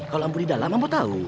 kalau amboi di dalam amboi tahu